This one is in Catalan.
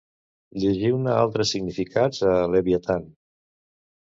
Llegiu-ne altres significats a «Leviatan».